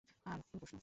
আর কোন প্রশ্ন?